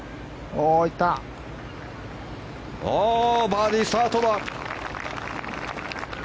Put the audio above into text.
バーディースタートだ。